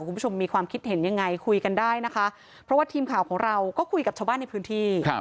คุณผู้ชมมีความคิดเห็นยังไงคุยกันได้นะคะเพราะว่าทีมข่าวของเราก็คุยกับชาวบ้านในพื้นที่ครับ